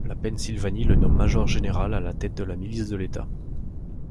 La Pennsylvanie le nomme major-général à la tête de la milice de l'État.